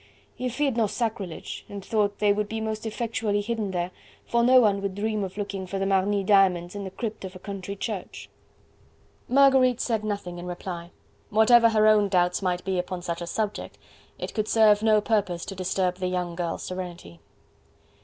He feared no sacrilege, and thought they would be most effectually hidden there, for no one would dream of looking for the Marny diamonds in the crypt of a country church." Marguerite said nothing in reply. Whatever her own doubts might be upon such a subject, it could serve no purpose to disturb the young girl's serenity.